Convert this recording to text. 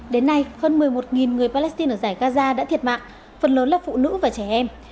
đến nay hơn một mươi một người palestine ở giải gaza đã thiệt mạng phần lớn là phụ nữ và trẻ em